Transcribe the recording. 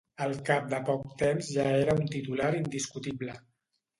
Al cap de poc temps ja era un titular indiscutible.